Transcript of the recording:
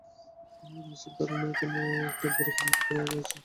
আমার নিশ্চিত ধারণা এখানে একটা বড় কর্মক্ষেত্র আছে।